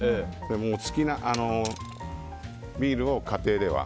お好きなビールを家庭では。